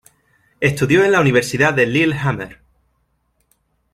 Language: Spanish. Estudió en la Universidad de Lillehammer.